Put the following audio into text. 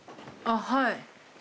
あはい。